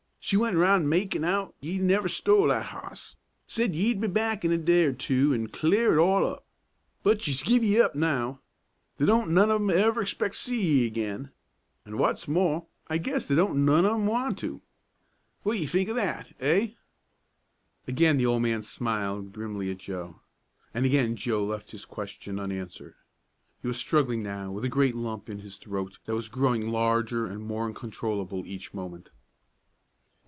She went around makin' out't ye never stole that hoss; said ye'd be back in a day or two an' clear it all up. But she's give ye up now. They don't none on 'em ever expect to see ye agin; an' w'at's more, I guess they don't none on 'em want to. What ye think o' that? Hey?" Again the old man smiled grimly at Joe, and again Joe left his question unanswered. He was struggling now with a great lump in his throat that was growing larger and more uncontrollable each moment.